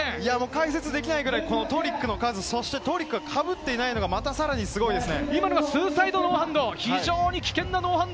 解説できないくらいトリックの数、そしてトリックがかぶっていないのがまたさらにすごいです。